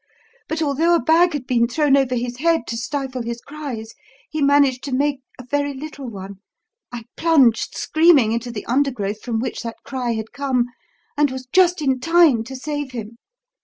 But, although a bag had been thrown over his head to stifle his cries, he managed to make a very little one. I plunged screaming into the undergrowth from which that cry had come, and was just in time to save him.